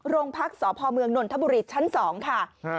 โรงพักษ์สพเมืองนนทบุรีชั้น๒ค่ะ